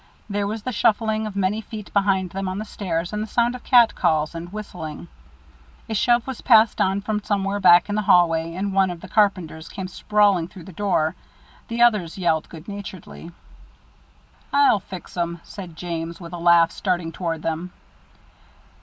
There was the shuffling of many feet behind them on the stairs, and the sound of cat calls and whistling. A shove was passed on from somewhere back in the hallway, and one of the carpenters came sprawling through the door. The others yelled good naturedly. "I'll fix 'em," said James, with a laugh, starting toward them.